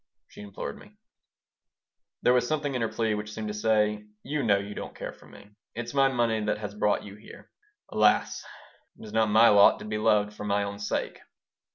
she implored me There was something in her plea which seemed to say: "You know you don't care for me. It's my money that has brought you here. Alas! It is not my lot to be loved for my own sake."